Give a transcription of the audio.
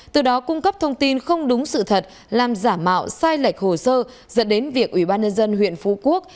từ đó cung cấp thông tin không đúng sự thật làm giả mạo sai lệch hồ sơ dẫn đến việc ubnd huyện phú quốc